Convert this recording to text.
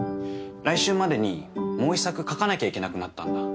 来週までにもう一作描かなきゃいけなくなったんだ。